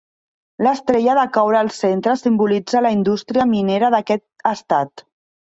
L'estrella de coure al centre simbolitza la indústria minera d'aquest estat.